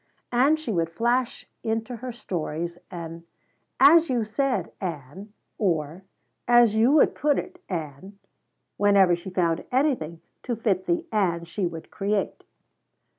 And she would flash into her stories an "As you said, Ann," or "As you would put it, Ann," whenever she found anything to fit the Ann she would create.